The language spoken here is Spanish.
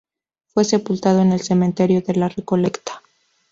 Fue sepultado en el Cementerio de la Recoleta.